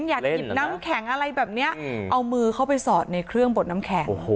หยิบน้ำแข็งอะไรแบบนี้เอามือเข้าไปสอดในเครื่องบดน้ำแข็ง